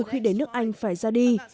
khi đến nước anh phải ra đi